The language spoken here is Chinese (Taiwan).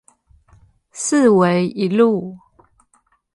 四維一路